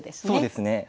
そうですね。